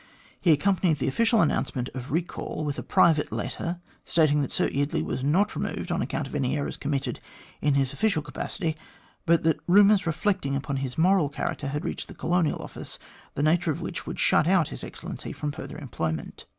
He accompanied the official announcement of recall with a private letter, stating that Sir Eardley was not removed on account of any errors committed in his official capacity, but that rumours reflecting upon his moral character had reached the Colonial Office, the nature of which would shut out His Excellency from further employment.